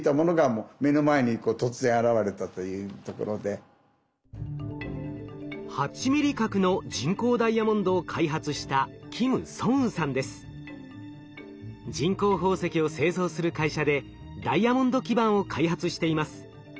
それが８ミリ角の人工ダイヤモンドを開発した人工宝石を製造する会社でダイヤモンド基板を開発しています。